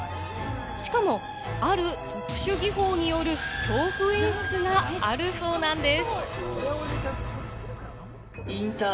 しかも、ある特殊技法による恐怖演出があるそうなんです。